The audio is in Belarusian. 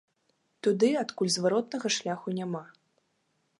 Туды, адкуль зваротнага шляху няма.